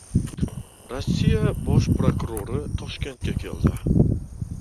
Rossiya bosh prokurori Toshkentga keldi